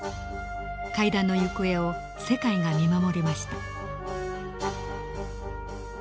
会談の行方を世界が見守りました。